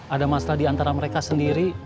ada masalah diantara mereka sendiri